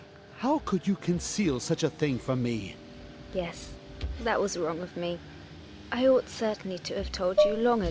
How could you conceal such a thing from me ! GiNA. Yes, that was wrong of me; I ought certainly to have told you long ago.